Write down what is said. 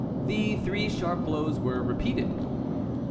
The three sharp blows were repeated.